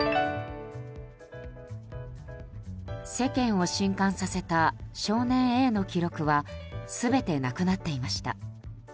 世間を震撼させた少年Ａの記録は全てなくなっていました。